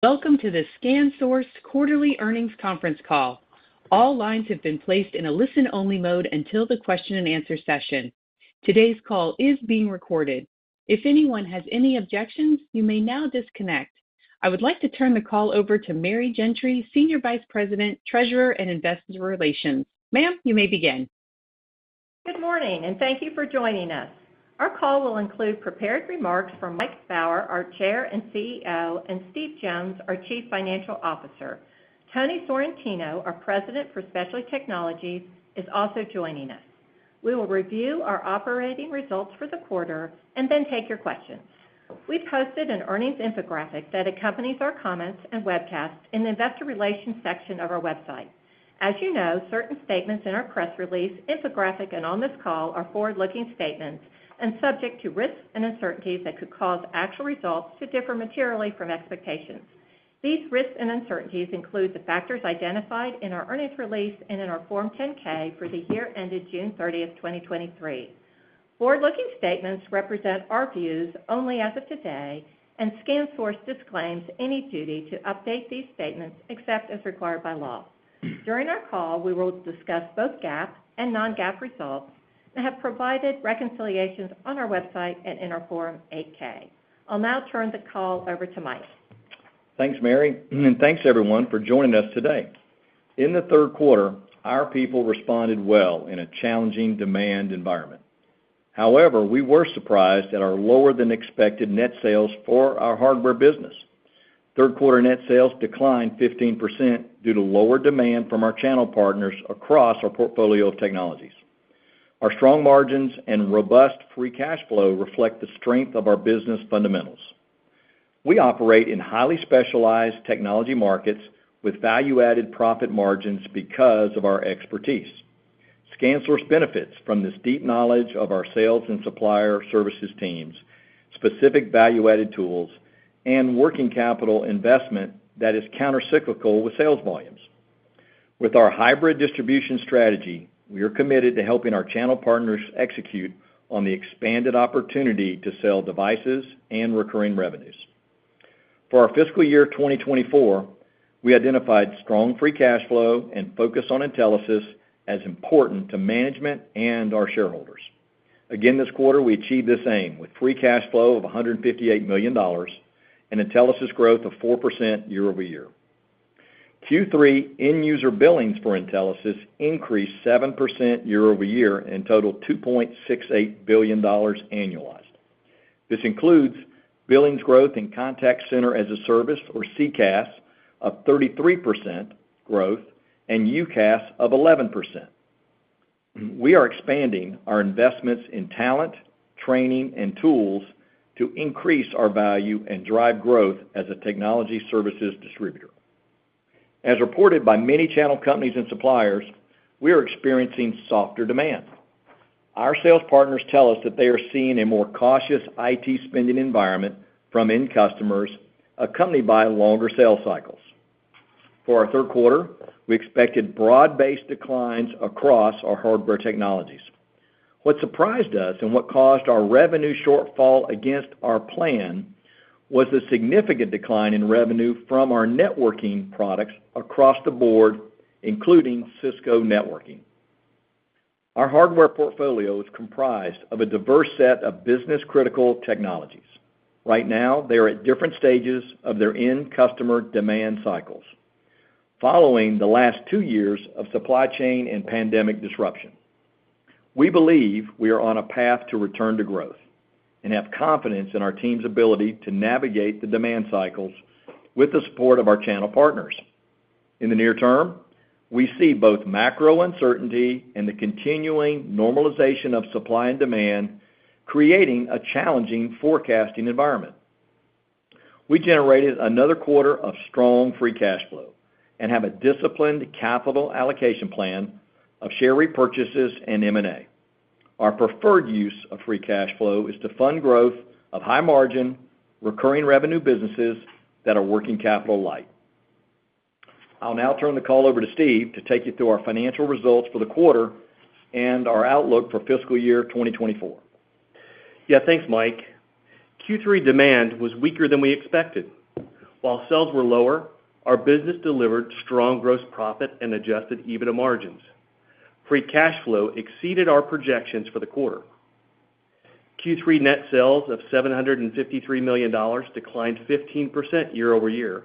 Welcome to the ScanSource Quarterly Earnings Conference Call. All lines have been placed in a listen-only mode until the question-and-answer session. Today's call is being recorded. If anyone has any objections, you may now disconnect. I would like to turn the call over to Mary Gentry, Senior Vice President, Treasurer, and Investor Relations. Ma'am, you may begin. Good morning, and thank you for joining us. Our call will include prepared remarks from Mike Baur, our Chair and CEO, and Steve Jones, our Chief Financial Officer. Tony Sorrentino, our President for Specialty Technologies, is also joining us. We will review our operating results for the quarter and then take your questions. We've posted an earnings infographic that accompanies our comments and webcast in the Investor Relations section of our website. As you know, certain statements in our press release, infographic, and on this call are forward-looking statements and subject to risks and uncertainties that could cause actual results to differ materially from expectations. These risks and uncertainties include the factors identified in our earnings release and in our Form 10-K for the year ended June thirtieth, 2023. Forward-looking statements represent our views only as of today, and ScanSource disclaims any duty to update these statements except as required by law. During our call, we will discuss both GAAP and non-GAAP results and have provided reconciliations on our website and in our Form 8-K. I'll now turn the call over to Mike. Thanks, Mary, and thanks, everyone, for joining us today. In the third quarter, our people responded well in a challenging demand environment. However, we were surprised at our lower-than-expected net sales for our hardware business. Third quarter net sales declined 15% due to lower demand from our channel partners across our portfolio of technologies. Our strong margins and robust free cash flow reflect the strength of our business fundamentals. We operate in highly specialized technology markets with value-added profit margins because of our expertise. ScanSource benefits from this deep knowledge of our sales and supplier services teams, specific value-added tools, and working capital investment that is countercyclical with sales volumes. With our hybrid distribution strategy, we are committed to helping our channel partners execute on the expanded opportunity to sell devices and recurring revenues. For our fiscal year 2024, we identified strong free cash flow and focus on Intelisys as important to management and our shareholders. Again, this quarter, we achieved this aim with free cash flow of $158 million and Intelisys growth of 4% year-over-year. Q3 end-user billings for Intelisys increased 7% year-over-year and totaled $2.68 billion annualized. This includes billings growth in contact center as a service, or CCaaS, of 33% growth and UCaaS of 11%. We are expanding our investments in talent, training, and tools to increase our value and drive growth as a technology services distributor. As reported by many channel companies and suppliers, we are experiencing softer demand. Our sales partners tell us that they are seeing a more cautious IT spending environment from end customers, accompanied by longer sales cycles. For our third quarter, we expected broad-based declines across our hardware technologies. What surprised us and what caused our revenue shortfall against our plan was the significant decline in revenue from our networking products across the board, including Cisco networking. Our hardware portfolio is comprised of a diverse set of business-critical technologies. Right now, they are at different stages of their end customer demand cycles, following the last two years of supply chain and pandemic disruption. We believe we are on a path to return to growth and have confidence in our team's ability to navigate the demand cycles with the support of our channel partners. In the near term, we see both macro uncertainty and the continuing normalization of supply and demand, creating a challenging forecasting environment. We generated another quarter of strong free cash flow and have a disciplined capital allocation plan of share repurchases and M&A. Our preferred use of free cash flow is to fund growth of high-margin, recurring revenue businesses that are working capital light. I'll now turn the call over to Steve to take you through our financial results for the quarter and our outlook for fiscal year 2024. Yeah, thanks, Mike. Q3 demand was weaker than we expected. While sales were lower, our business delivered strong gross profit and Adjusted EBITDA margins. free cash flow exceeded our projections for the quarter. Q3 net sales of $753 million declined 15% year over year,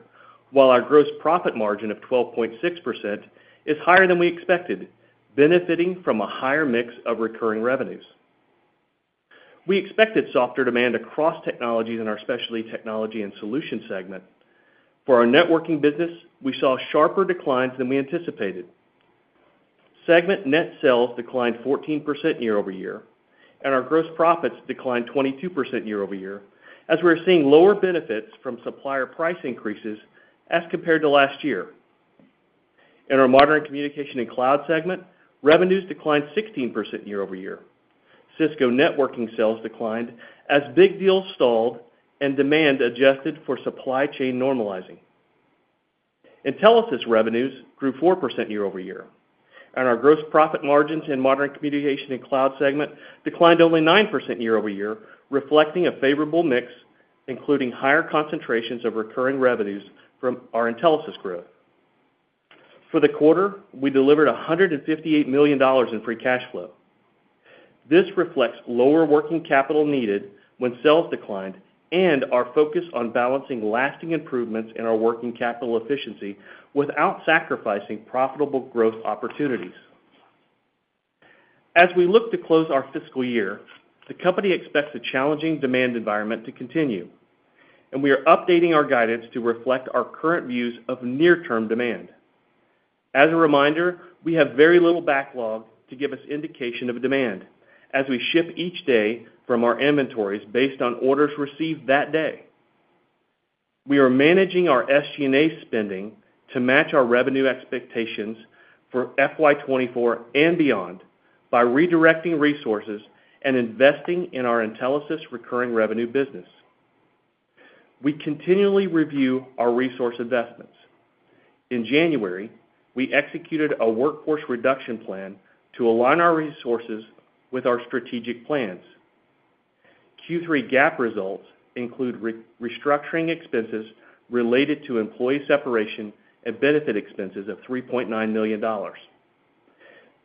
while our gross profit margin of 12.6% is higher than we expected, benefiting from a higher mix of recurring revenues. We expected softer demand across technologies in our Specialty Technology and Solutions segment. For our networking business, we saw sharper declines than we anticipated. Segment net sales declined 14% year over year, and our gross profits declined 22% year over year, as we are seeing lower benefits from supplier price increases as compared to last year. In our Modern Communication and Cloud segment, revenues declined 16% year over year. Cisco networking sales declined as big deals stalled and demand adjusted for supply chain normalizing. Intelisys revenues grew 4% year-over-year, and our gross profit margins in Modern Communications and Cloud segment declined only 9% year-over-year, reflecting a favorable mix, including higher concentrations of recurring revenues from our Intelisys growth. For the quarter, we delivered $158 million in free cash flow. This reflects lower working capital needed when sales declined and our focus on balancing lasting improvements in our working capital efficiency without sacrificing profitable growth opportunities. As we look to close our fiscal year, the company expects a challenging demand environment to continue, and we are updating our guidance to reflect our current views of near-term demand. As a reminder, we have very little backlog to give us indication of demand, as we ship each day from our inventories based on orders received that day. We are managing our SG&A spending to match our revenue expectations for FY 2024 and beyond by redirecting resources and investing in our Intelisys recurring revenue business. We continually review our resource investments. In January, we executed a workforce reduction plan to align our resources with our strategic plans. Q3 GAAP results include restructuring expenses related to employee separation and benefit expenses of $3.9 million.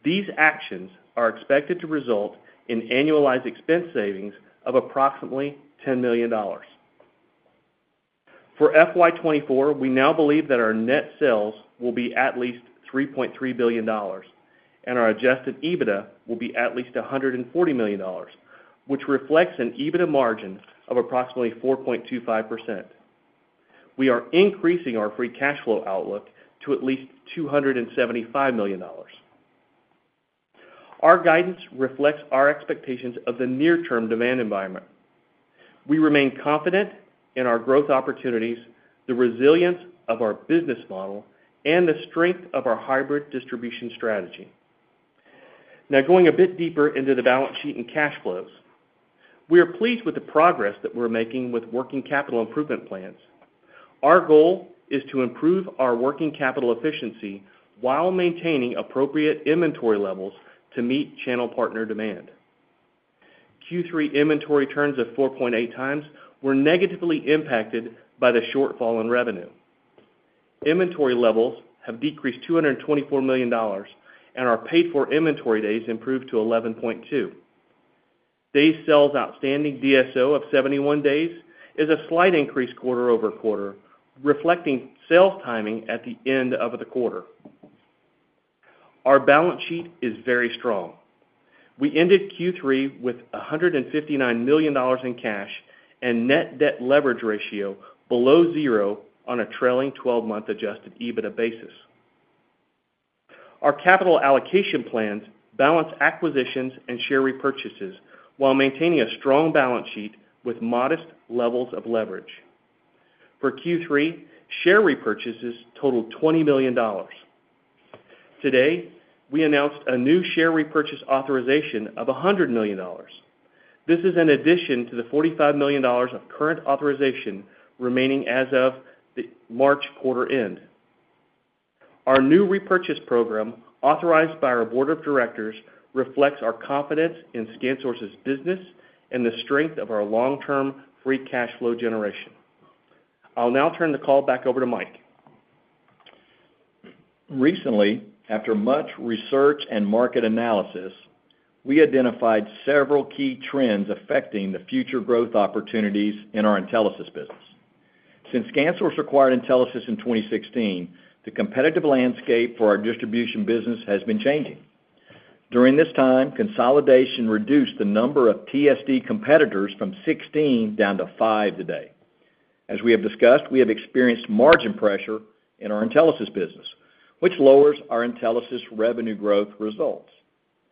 These actions are expected to result in annualized expense savings of approximately $10 million. For FY 2024, we now believe that our net sales will be at least $3.3 billion, and our adjusted EBITDA will be at least $140 million, which reflects an EBITDA margin of approximately 4.25%. We are increasing our free cash flow outlook to at least $275 million. Our guidance reflects our expectations of the near-term demand environment. We remain confident in our growth opportunities, the resilience of our business model, and the strength of our hybrid distribution strategy. Now, going a bit deeper into the balance sheet and cash flows. We are pleased with the progress that we're making with working capital improvement plans. Our goal is to improve our working capital efficiency while maintaining appropriate inventory levels to meet channel partner demand. Q3 inventory turns of 4.8 times were negatively impacted by the shortfall in revenue. Inventory levels have decreased $224 million, and our paid-for inventory days improved to 11.2. days sales outstanding, DSO, of 71 days is a slight increase quarter-over-quarter, reflecting sales timing at the end of the quarter. Our balance sheet is very strong. We ended Q3 with $159 million in cash and net debt leverage ratio below zero on a trailing twelve-month Adjusted EBITDA basis. Our capital allocation plans balance acquisitions and share repurchases while maintaining a strong balance sheet with modest levels of leverage. For Q3, share repurchases totaled $20 million. Today, we announced a new share repurchase authorization of $100 million. This is in addition to the $45 million of current authorization remaining as of the March quarter end. Our new repurchase program, authorized by our board of directors, reflects our confidence in ScanSource's business and the strength of our long-term free cash flow generation. I'll now turn the call back over to Mike. Recently, after much research and market analysis, we identified several key trends affecting the future growth opportunities in our Intelisys business. Since ScanSource acquired Intelisys in 2016, the competitive landscape for our distribution business has been changing. During this time, consolidation reduced the number of TSD competitors from 16 down to 5 today. As we have discussed, we have experienced margin pressure in our Intelisys business, which lowers our Intelisys revenue growth results.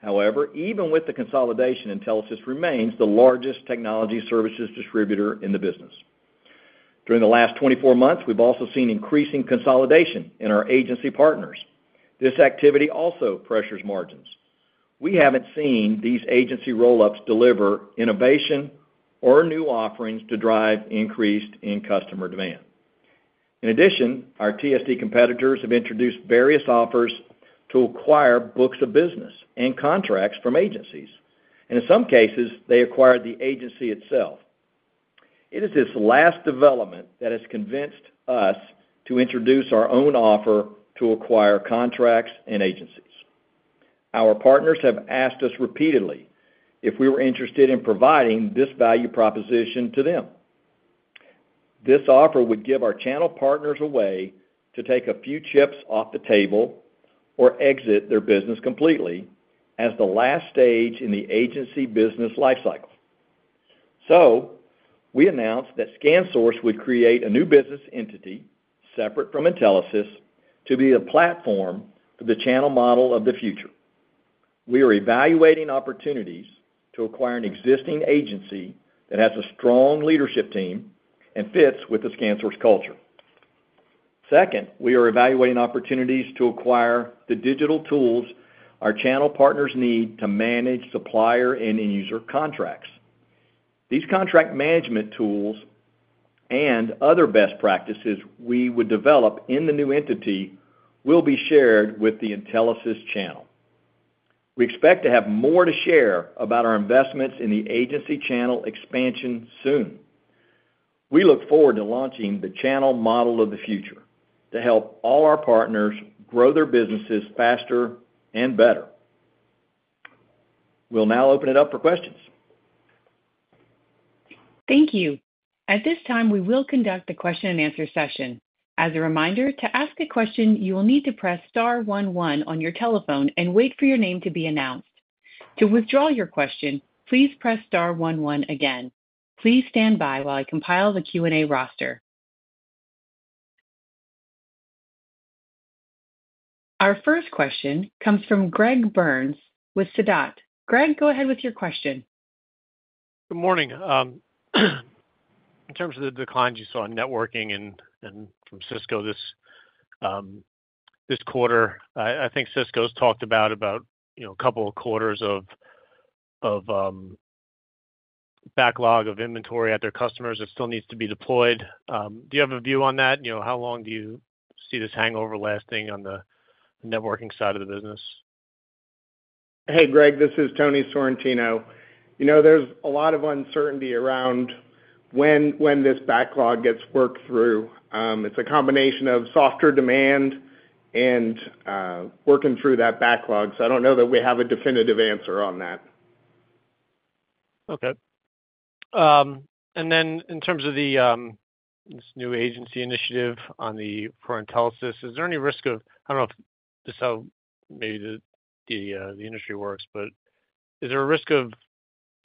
However, even with the consolidation, Intelisys remains the largest technology services distributor in the business. During the last 24 months, we've also seen increasing consolidation in our agency partners. This activity also pressures margins. We haven't seen these agency roll-ups deliver innovation or new offerings to drive increase in customer demand. In addition, our TSD competitors have introduced various offers to acquire books of business and contracts from agencies, and in some cases, they acquired the agency itself. It is this last development that has convinced us to introduce our own offer to acquire contracts and agencies. Our partners have asked us repeatedly if we were interested in providing this value proposition to them. This offer would give our channel partners a way to take a few chips off the table or exit their business completely as the last stage in the agency business life cycle. So we announced that ScanSource would create a new business entity, separate from Intelisys, to be a platform for the channel model of the future. We are evaluating opportunities to acquire an existing agency that has a strong leadership team and fits with the ScanSource culture. Second, we are evaluating opportunities to acquire the digital tools our channel partners need to manage supplier and end user contracts. These contract management tools and other best practices we would develop in the new entity will be shared with the Intelisys channel. We expect to have more to share about our investments in the agency channel expansion soon. We look forward to launching the channel model of the future to help all our partners grow their businesses faster and better. We'll now open it up for questions. Thank you. At this time, we will conduct a question-and-answer session. As a reminder, to ask a question, you will need to press star one one on your telephone and wait for your name to be announced. To withdraw your question, please press star one one again. Please stand by while I compile the Q&A roster. Our first question comes from Greg Burns with Sidoti. Greg, go ahead with your question. Good morning. In terms of the declines you saw in networking and from Cisco this quarter, I think Cisco's talked about, you know, a couple of quarters of backlog of inventory at their customers that still needs to be deployed. Do you have a view on that? You know, how long do you see this hangover lasting on the networking side of the business? Hey, Greg, this is Tony Sorrentino. You know, there's a lot of uncertainty around when, when this backlog gets worked through. It's a combination of softer demand and, working through that backlog, so I don't know that we have a definitive answer on that. Okay. And then in terms of this new agency initiative for Intelisys, is there any risk of... I don't know if this is how maybe the industry works, but is there a risk of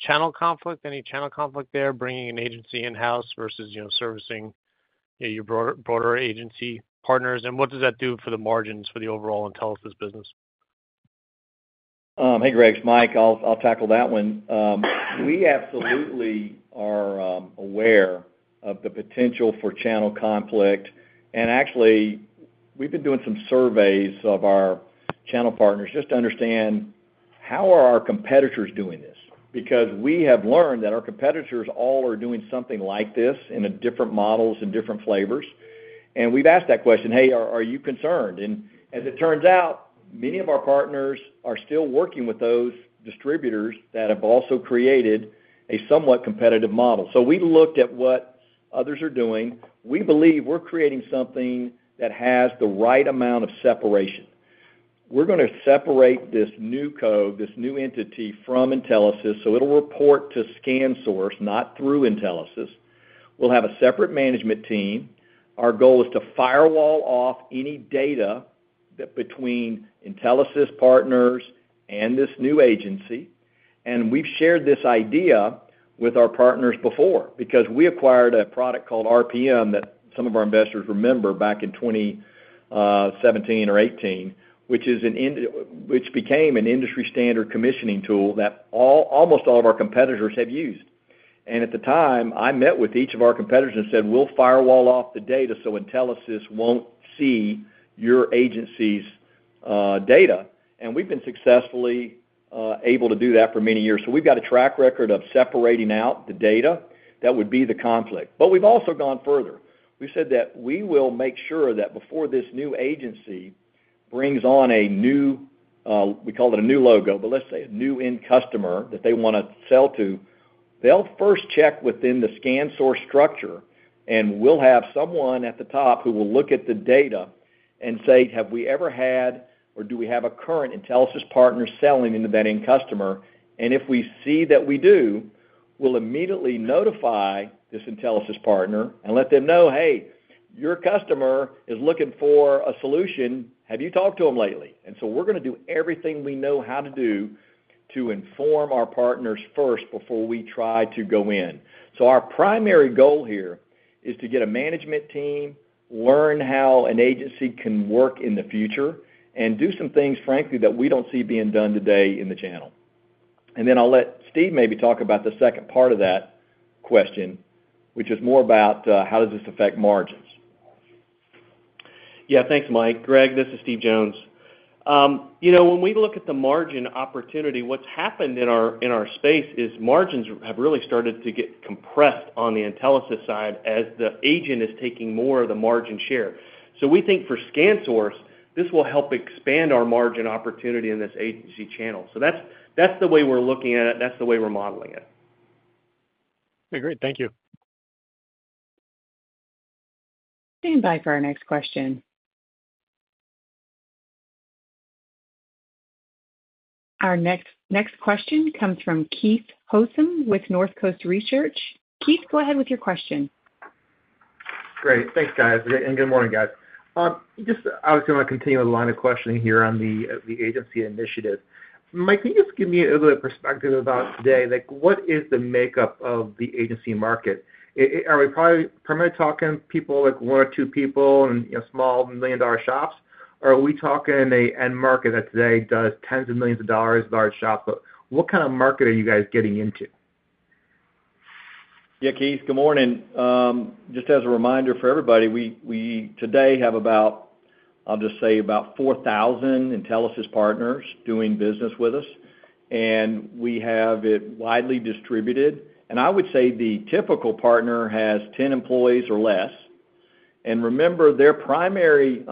channel conflict, any channel conflict there, bringing an agency in-house versus, you know, servicing your broader agency partners? And what does that do for the margins for the overall Intelisys business? Hey, Greg, it's Mike. I'll tackle that one. We absolutely are aware of the potential for channel conflict, and actually, we've been doing some surveys of our channel partners just to understand how are our competitors doing this? Because we have learned that our competitors all are doing something like this in a different models and different flavors. And we've asked that question, "Hey, are you concerned?" And as it turns out, many of our partners are still working with those distributors that have also created a somewhat competitive model. So we looked at what others are doing. We believe we're creating something that has the right amount of separation. We're gonna separate this NewCo, this new entity from Intelisys, so it'll report to ScanSource, not through Intelisys. We'll have a separate management team. Our goal is to firewall off any data that between Intelisys partners and this new agency, and we've shared this idea with our partners before, because we acquired a product called RPM that some of our investors remember back in 2017 or 2018, which became an industry-standard commissioning tool that almost all of our competitors have used. And at the time, I met with each of our competitors and said, "We'll firewall off the data so Intelisys won't see your agency's data." And we've been successfully able to do that for many years. So we've got a track record of separating out the data. That would be the conflict. But we've also gone further. We've said that we will make sure that before this new agency brings on a new, we call it a new logo, but let's say a new end customer that they want to sell to, they'll first check within the ScanSource structure, and we'll have someone at the top who will look at the data and say, "Have we ever had, or do we have a current Intelisys partner selling into that end customer?" And if we see that we do, we'll immediately notify this Intelisys partner and let them know, "Hey, your customer is looking for a solution. Have you talked to them lately?" And so we're gonna do everything we know how to do to inform our partners first before we try to go in. Our primary goal here is to get a management team, learn how an agency can work in the future, and do some things, frankly, that we don't see being done today in the channel. Then I'll let Steve maybe talk about the second part of that question, which is more about, how does this affect margins? Yeah, thanks, Mike. Greg, this is Steve Jones. You know, when we look at the margin opportunity, what's happened in our, in our space is margins have really started to get compressed on the Intelisys side as the agent is taking more of the margin share. So we think for ScanSource, this will help expand our margin opportunity in this agency channel. So that's, that's the way we're looking at it, that's the way we're modeling it. Okay, great. Thank you. Stand by for our next question. Our next, next question comes from Keith Housum with Northcoast Research. Keith, go ahead with your question. Great. Thanks, guys. And good morning, guys. Just I was going to continue the line of questioning here on the, the agency initiative. Mike, can you just give me a little perspective about today? Like, what is the makeup of the agency market? I- are we probably primarily talking people, like one or two people and, you know, small million-dollar shops? Or are we talking an end market that today does tens of millions of dollars large shop? What kind of market are you guys getting into? Yeah, Keith, good morning. Just as a reminder for everybody, we today have about—I'll just say about 4,000 Intelisys partners doing business with us, and we have it widely distributed. And I would say the typical partner has 10 employees or less. And remember, their primary,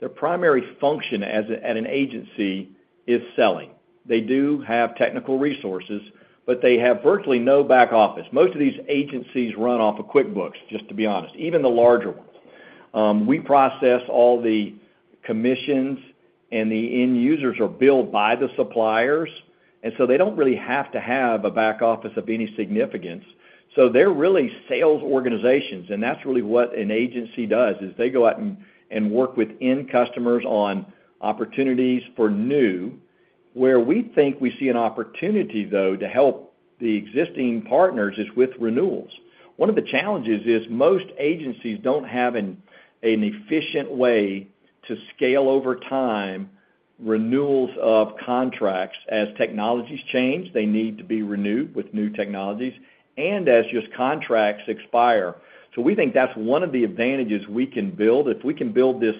their primary function at an agency is selling. They do have technical resources, but they have virtually no back office. Most of these agencies run off of QuickBooks, just to be honest, even the larger ones. We process all the commissions, and the end users are billed by the suppliers, and so they don't really have to have a back office of any significance. So they're really sales organizations, and that's really what an agency does, is they go out and, and work with end customers on opportunities for new. Where we think we see an opportunity, though, to help the existing partners is with renewals. One of the challenges is most agencies don't have an efficient way to scale over time renewals of contracts. As technologies change, they need to be renewed with new technologies, and as just contracts expire. So we think that's one of the advantages we can build. If we can build this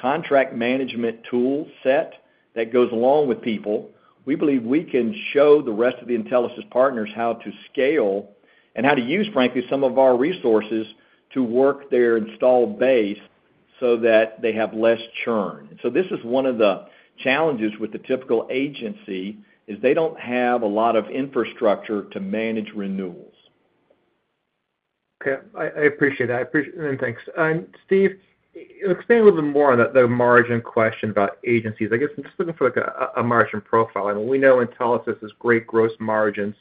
contract management tool set that goes along with people, we believe we can show the rest of the Intelisys partners how to scale and how to use, frankly, some of our resources to work their installed base so that they have less churn. So this is one of the challenges with the typical agency, is they don't have a lot of infrastructure to manage renewals. Okay. I appreciate that. Thanks. Steve, explain a little bit more on the margin question about agencies. I guess, I'm just looking for, like, a margin profile. I mean, we know Intelisys has great gross margins,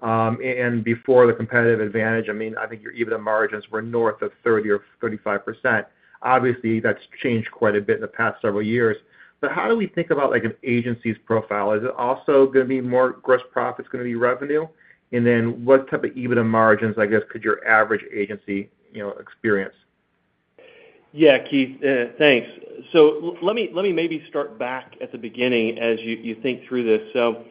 and before the competitive advantage, I mean, I think your EBITDA margins were north of 30% or 35%. Obviously, that's changed quite a bit in the past several years. But how do we think about, like, an agency's profile? Is it also gonna be more gross profits, gonna be revenue? And then what type of EBITDA margins, I guess, could your average agency, you know, experience? Yeah, Keith, thanks. So let me, let me maybe start back at the beginning as you, you think through this. So,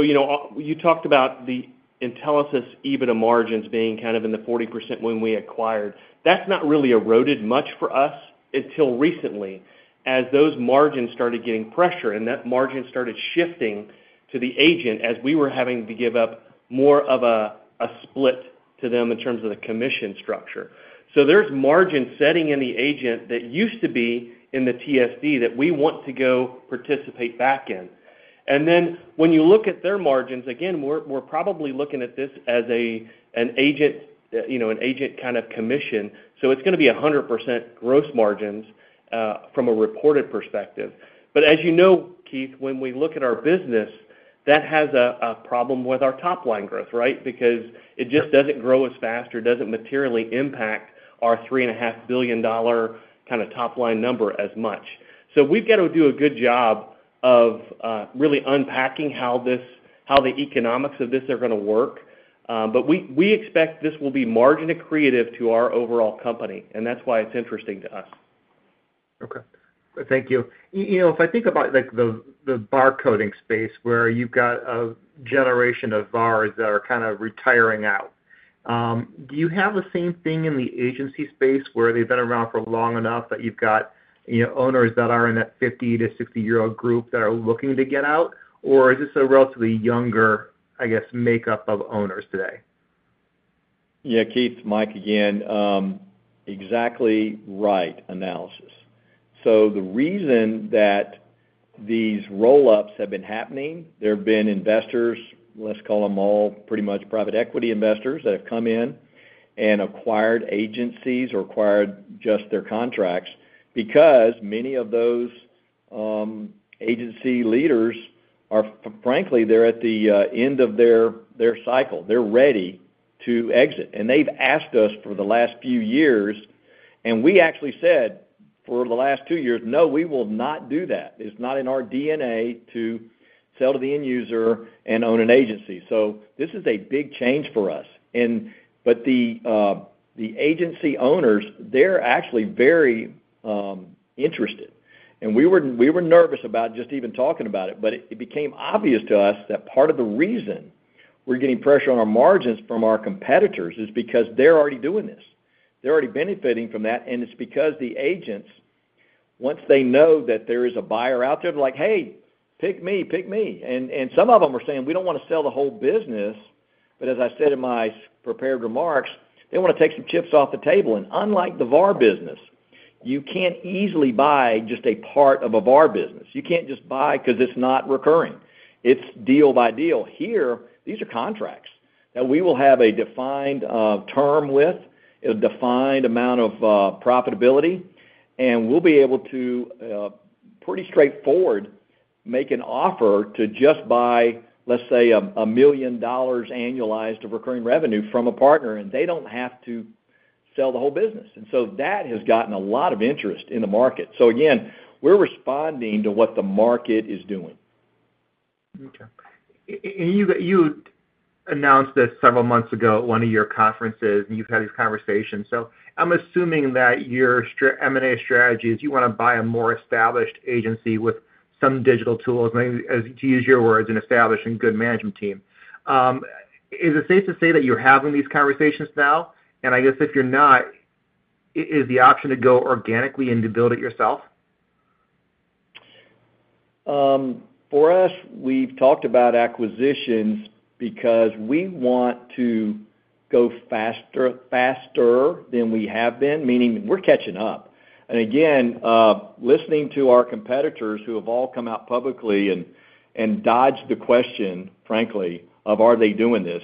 you know, you talked about the Intelisys EBITDA margins being kind of in the 40% when we acquired. That's not really eroded much for us until recently, as those margins started getting pressure, and that margin started shifting to the agent as we were having to give up more of a, a split to them in terms of the commission structure. So there's margin setting in the agent that used to be in the TSD that we want to go participate back in. And then when you look at their margins, again, we're, we're probably looking at this as a, an agent, you know, an agent kind of commission, so it's gonna be 100% gross margins, from a reported perspective. But as you know, Keith, when we look at our business, that has a problem with our top line growth, right? Because it just doesn't grow as fast or doesn't materially impact our $3.5 billion kind of top line number as much. So we've got to do a good job of really unpacking how the economics of this are gonna work. But we expect this will be margin accretive to our overall company, and that's why it's interesting to us. Okay. Thank you. You know, if I think about, like, the barcode space, where you've got a generation of VARs that are kind of retiring out, do you have the same thing in the agency space, where they've been around for long enough that you've got, you know, owners that are in that 50-60-year-old group that are looking to get out, or is this a relatively younger, I guess, makeup of owners today? Yeah, Keith, Mike again. Exactly right analysis. So the reason that these roll-ups have been happening, there have been investors, let's call them all pretty much private equity investors, that have come in and acquired agencies or acquired just their contracts, because many of those agency leaders are frankly, they're at the end of their, their cycle. They're ready to exit, and they've asked us for the last few years, and we actually said, for the last two years: "No, we will not do that. It's not in our DNA to sell to the end user and own an agency." So this is a big change for us. But the agency owners, they're actually very interested. We were nervous about just even talking about it, but it became obvious to us that part of the reason we're getting pressure on our margins from our competitors is because they're already doing this. They're already benefiting from that, and it's because the agents, once they know that there is a buyer out there, they're like, "Hey, pick me, pick me!" And some of them are saying, "We don't want to sell the whole business." But as I said in my prepared remarks, they want to take some chips off the table. And unlike the VAR business, you can't easily buy just a part of a VAR business. You can't just buy because it's not recurring. It's deal by deal. Here, these are contracts that we will have a defined term with, a defined amount of profitability, and we'll be able to pretty straightforward make an offer to just buy, let's say, a, a $1 million annualized of recurring revenue from a partner, and they don't have to sell the whole business. And so that has gotten a lot of interest in the market. So again, we're responding to what the market is doing. Okay. And you announced this several months ago at one of your conferences, and you've had these conversations, so I'm assuming that your M&A strategy is you want to buy a more established agency with some digital tools, maybe, to use your words, an established and good management team. Is it safe to say that you're having these conversations now? And I guess if you're not, is the option to go organically and to build it yourself? For us, we've talked about acquisitions because we want to go faster, faster than we have been, meaning we're catching up. And again, listening to our competitors who have all come out publicly and, and dodged the question, frankly, of are they doing this?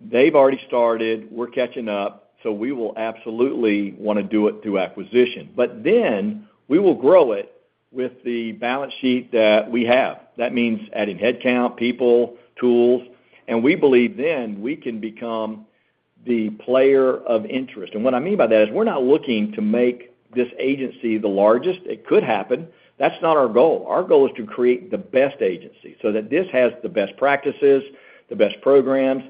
They've already started, we're catching up, so we will absolutely want to do it through acquisition. But then, we will grow it with the balance sheet that we have. That means adding headcount, people, tools, and we believe then we can become the player of interest. And what I mean by that is we're not looking to make this agency the largest. It could happen. That's not our goal. Our goal is to create the best agency, so that this has the best practices, the best programs,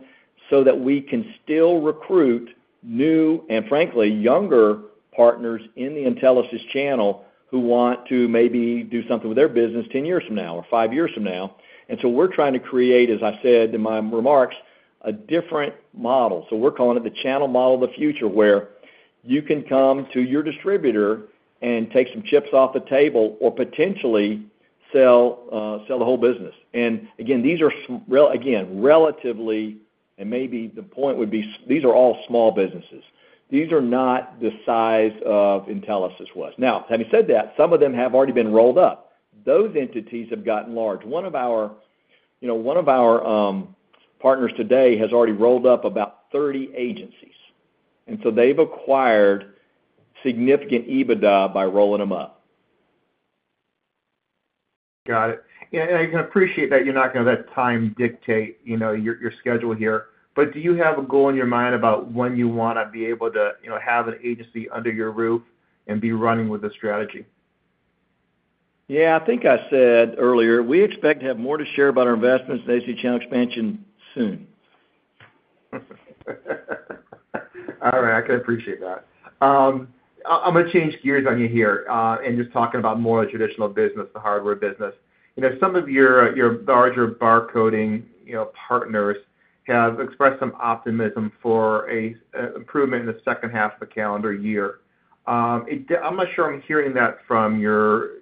so that we can still recruit new, and frankly, younger partners in the Intelisys channel who want to maybe do something with their business ten years from now or five years from now. And so we're trying to create, as I said in my remarks, a different model. So we're calling it the channel model of the future, where you can come to your distributor and take some chips off the table, or potentially sell, sell the whole business. And again, these are again, relatively, and maybe the point would be, these are all small businesses. These are not the size of Intelisys was. Now, having said that, some of them have already been rolled up. Those entities have gotten large. One of our, you know, one of our partners today has already rolled up about 30 agencies, and so they've acquired significant EBITDA by rolling them up. Got it. Yeah, and I can appreciate that you're not gonna let time dictate, you know, your schedule here, but do you have a goal in your mind about when you want to be able to, you know, have an agency under your roof and be running with a strategy? Yeah, I think I said earlier, we expect to have more to share about our investments in AC channel expansion soon. All right, I can appreciate that. I'm gonna change gears on you here, and just talking about more the traditional business, the hardware business. You know, some of your larger barcoding, you know, partners have expressed some optimism for a improvement in the second half of the calendar year. I'm not sure I'm hearing that from your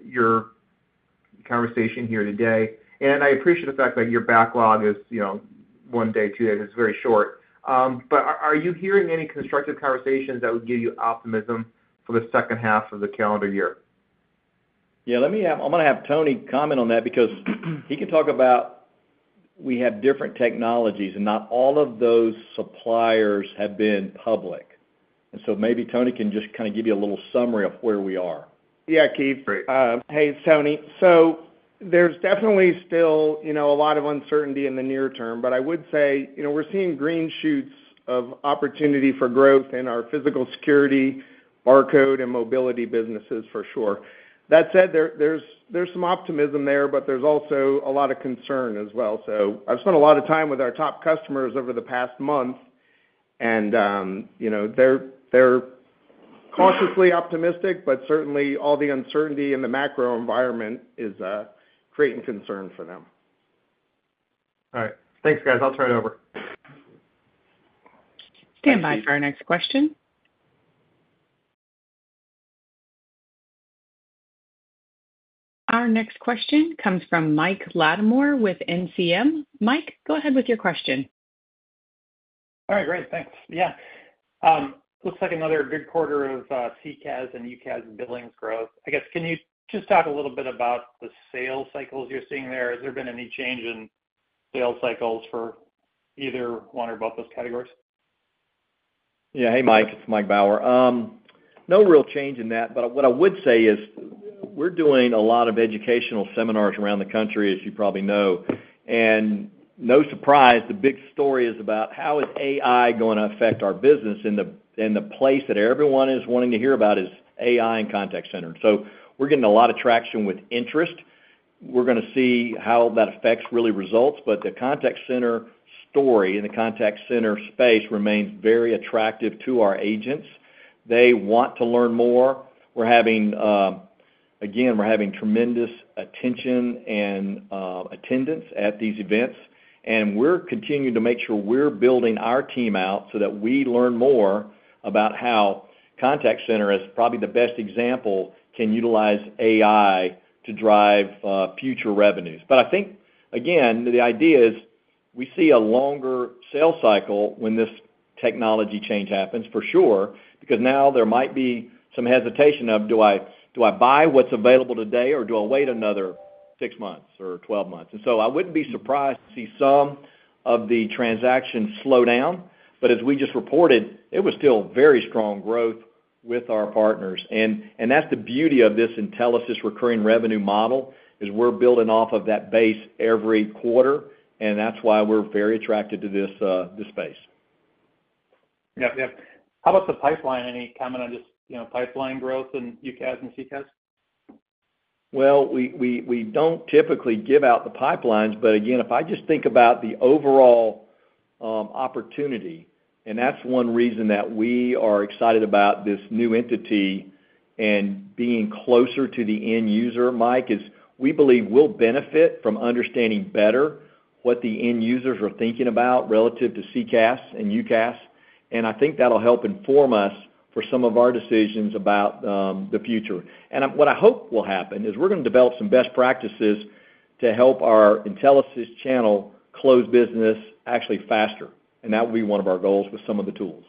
conversation here today, and I appreciate the fact that your backlog is, you know, one day, two days, it's very short. But are you hearing any constructive conversations that would give you optimism for the second half of the calendar year? Yeah, I'm gonna have Tony comment on that because he can talk about... We have different technologies, and not all of those suppliers have been public. And so maybe Tony can just kind of give you a little summary of where we are. Yeah, Keith. Great. Hey, it's Tony. So there's definitely still, you know, a lot of uncertainty in the near term, but I would say, you know, we're seeing green shoots of opportunity for growth in our physical security, barcode, and mobility businesses, for sure. That said, there's some optimism there, but there's also a lot of concern as well. So I've spent a lot of time with our top customers over the past month, and, you know, they're cautiously optimistic, but certainly, all the uncertainty in the macro environment is creating concern for them. All right. Thanks, guys. I'll turn it over. Standby for our next question. Our next question comes from Mike Latimore with NCM. Mike, go ahead with your question. All right, great. Thanks. Yeah. Looks like another good quarter of CCaaS and UCaaS billings growth. I guess, can you just talk a little bit about the sales cycles you're seeing there? Has there been any change in sales cycles for either one or both those categories? Yeah. Hey, Mike, it's Mike Baur. No real change in that, but what I would say is we're doing a lot of educational seminars around the country, as you probably know. And no surprise, the big story is about how is AI going to affect our business, and the place that everyone is wanting to hear about is AI and contact center. So we're getting a lot of traction with interest. We're gonna see how that affects really results, but the contact center story and the contact center space remains very attractive to our agents. They want to learn more. We're having, again, we're having tremendous attention and attendance at these events, and we're continuing to make sure we're building our team out so that we learn more about how contact center is probably the best example, can utilize AI to drive future revenues. But I think, again, the idea is we see a longer sales cycle when this technology change happens, for sure, because now there might be some hesitation of, do I, do I buy what's available today, or do I wait another 6 months or 12 months? And so I wouldn't be surprised to see some of the transactions slow down, but as we just reported, it was still very strong growth with our partners. And, and that's the beauty of this Intelisys recurring revenue model, is we're building off of that base every quarter, and that's why we're very attracted to this, this space. Yep. Yep. How about the pipeline? Any comment on just, you know, pipeline growth in UCaaS and CCaaS? Well, we don't typically give out the pipelines, but again, if I just think about the overall opportunity. That's one reason that we are excited about this new entity and being closer to the end user, Mike, is we believe we'll benefit from understanding better what the end users are thinking about relative to CCaaS and UCaaS, and I think that'll help inform us for some of our decisions about the future. What I hope will happen is we're gonna develop some best practices to help our Intelisys channel close business actually faster, and that will be one of our goals with some of the tools.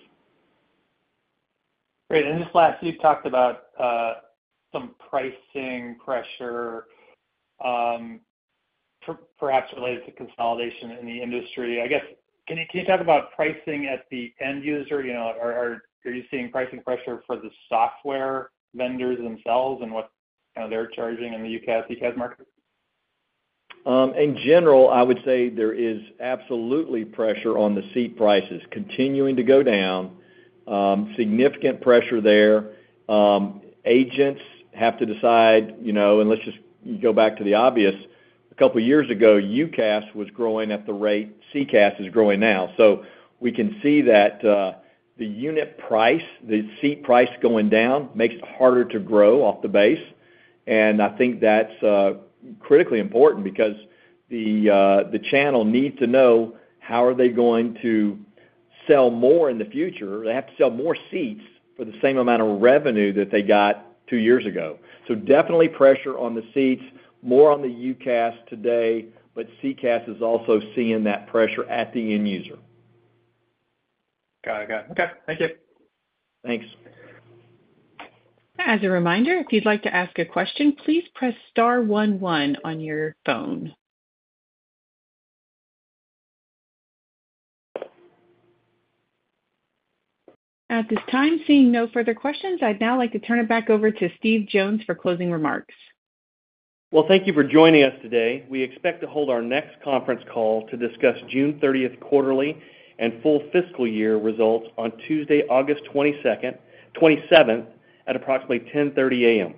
Great. And just last, you've talked about some pricing pressure, perhaps related to consolidation in the industry. I guess, can you talk about pricing at the end user? You know, are you seeing pricing pressure for the software vendors themselves and what kind of they're charging in the UCaaS, CCaaS market? In general, I would say there is absolutely pressure on the seat prices continuing to go down, significant pressure there. Agents have to decide, you know, and let's just go back to the obvious. A couple of years ago, UCaaS was growing at the rate CCaaS is growing now. So we can see that, the unit price, the seat price going down, makes it harder to grow off the base. And I think that's, critically important because the, the channel needs to know how are they going to sell more in the future. They have to sell more seats for the same amount of revenue that they got two years ago. So definitely pressure on the seats, more on the UCaaS today, but CCaaS is also seeing that pressure at the end user. Got it. Got it. Okay, thank you. Thanks. As a reminder, if you'd like to ask a question, please press star one one on your phone. At this time, seeing no further questions, I'd now like to turn it back over to Steve Jones for closing remarks. Well, thank you for joining us today. We expect to hold our next conference call to discuss June 30 quarterly and full fiscal year results on Tuesday, August 22nd-27th, at approximately 10:30 A.M.